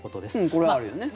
これはあるよね。